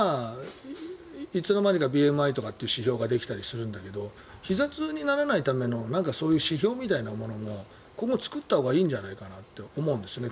いつの間にかＢＭＩとかも上がるんだけどひざ痛にならないためのそういう指標みたいなものも作ったほうがいいんじゃないかと思うんですね。